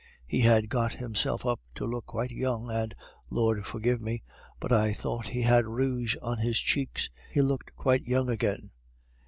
He had got himself up to look quite young, and Lord, forgive me but I thought he had rouge on his cheeks; he looked quite young again."